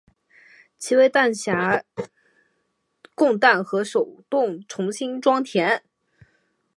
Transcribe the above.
其为弹匣供弹和手动重新装填。